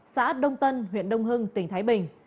xã đông tân huyện đông hưng tỉnh thái bình